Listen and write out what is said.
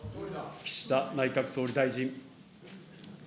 岸田内閣総理大臣。